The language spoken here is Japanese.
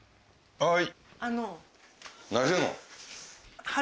はい。